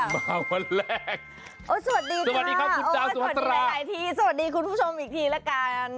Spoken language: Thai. มาวันแรกสวัสดีค่ะคุณดาวสวัสดีหลายทีสวัสดีคุณผู้ชมอีกทีแล้วกัน